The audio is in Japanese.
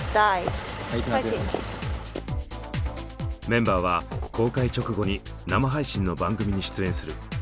メンバーは公開直後に生配信の番組に出演する。